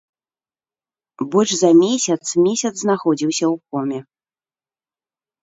Больш за месяц месяц знаходзіўся ў коме.